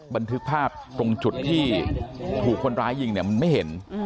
บันทึกภาพตรงจุดที่ถูกคนร้ายยิงเนี่ยมันไม่เห็น